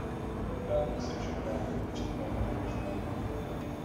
Rád bych se však vrátil k případu New Flame.